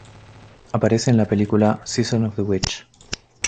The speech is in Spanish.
Aparece en la película "Season of the Witch".